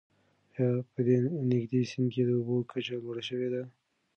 آیا په دې نږدې سیند کې د اوبو کچه لوړه شوې ده؟